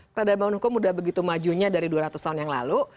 peradaban hukum sudah begitu majunya dari dua ratus tahun yang lalu